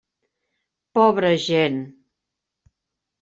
Pobra gent!